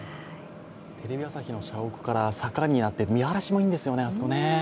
テレビ朝日の社屋から坂になって見晴らしもいいんですよね。